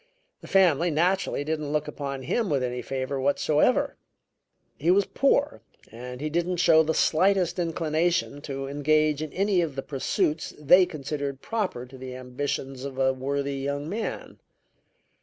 The family, naturally, didn't look upon him with any favor whatsoever; he was poor and he didn't show the slightest inclination to engage in any of the pursuits they considered proper to the ambitions of a worthy young man.